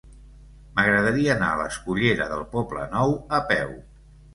M'agradaria anar a la escullera del Poblenou a peu.